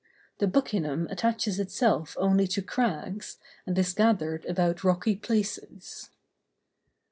The buccinum attaches itself only to crags, and is gathered about rocky places.